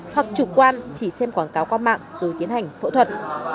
hoặc chủ quan chỉ xem quảng cáo qua mạng rồi tiến hành phẫu thuật